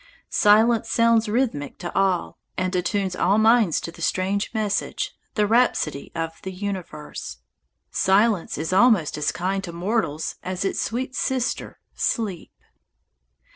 Silence sounds rhythmic to all, and attunes all minds to the strange message, the rhapsody of the universe. Silence is almost as kind to mortals as its sweet sister sleep.